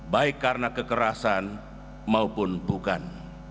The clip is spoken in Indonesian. baik karena kekerasan maupun bukan